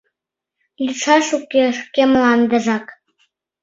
Лӱдшаш уке — шке мландыжак.